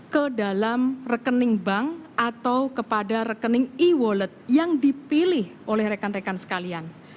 ke dalam rekening bank atau kepada rekening e wallet yang dipilih oleh rekan rekan sekalian